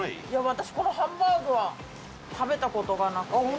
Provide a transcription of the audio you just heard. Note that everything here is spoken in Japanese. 私このハンバーグは食べた事がなくて。